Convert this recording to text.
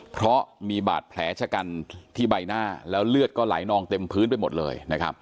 เพราะมีบาดแผลชะกันที่ใบหน้าแล้วเลือดก็ไหลนองเต็มพื้นไปหมดเลยนะครับ